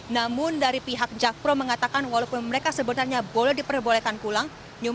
namun dari pihak jakpro mengatakan walaupun mereka sebenarnya boleh diperbolehkan pulang